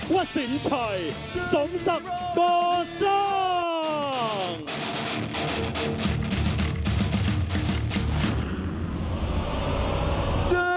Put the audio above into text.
วะสินไชสมศักดีกว่าซักทาง